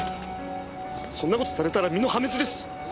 そんなことされたら身の破滅です！